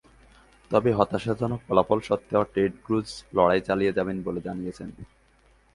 তবে হতাশাজনক ফলাফল সত্ত্বেও টেড ক্রুজ লড়াই চালিয়ে যাবেন বলে জানিয়েছেন।